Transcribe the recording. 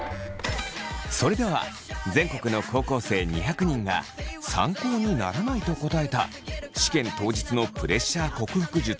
それでは全国の高校生２００人が参考にならないと答えた試験当日のプレッシャー克服術